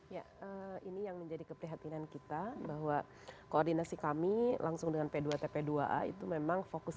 ya ini yang menjadi keprihatinan kita bahwa koordinasi kami langsung dengan p dua tp dua a itu memang fokus